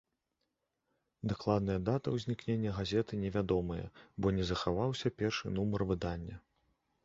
Дакладная дата ўзнікнення газеты невядомая, бо не захаваўся першы нумар выдання.